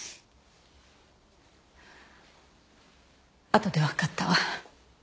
あとでわかったわ。